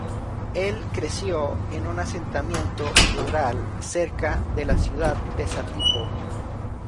Él creció en un asentamiento rural cerca de la ciudad de Satipo.